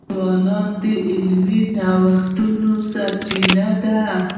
ځوانان د علمي نوښتونو سرچینه ده.